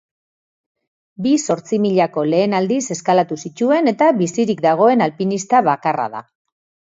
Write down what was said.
Bi zortzimilako lehen aldiz eskalatu zituen eta bizirik dagoen alpinista bakarra da.